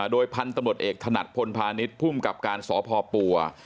โดยพันธุ์ตำรวจเอกถนัดพลพาณิชย์ภูมิกับการสพปัว